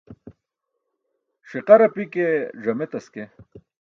Ṣiqar api ke ẓame taske.